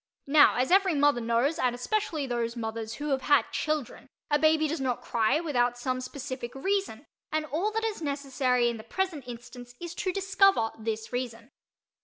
Now as every mother knows, and especially those mothers who have had children, a baby does not cry without some specific reason and all that is necessary in the present instance is to discover this reason.